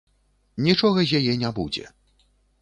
Нічога з яе не будзе.